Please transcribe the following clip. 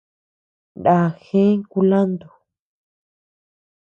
Naa jëe kulanto.